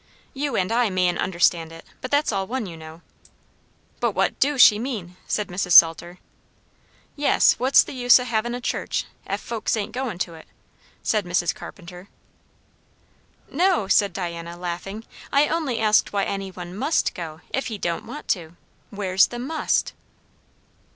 "You and I mayn't understand it, but that's all one, you know." "But what do she mean?" said Mrs. Salter. "Yes, what's the use o' havin' a church, ef folks ain't goin' to it?" said Mrs. Carpenter. "No," said Diana, laughing; "I only asked why any one must go, if he don't want to? Where's the _must?